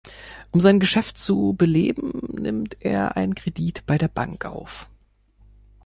Um sein Geschäft zu beleben, nimmt er einen Kredit bei der Bank auf.